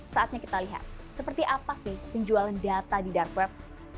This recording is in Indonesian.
saatnya kita lihat seperti apa sih penjualan data di dark web